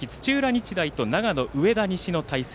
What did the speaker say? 日大と長野・上田西の対戦。